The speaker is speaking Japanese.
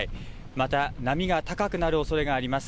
また波が高くなるおそれがあります。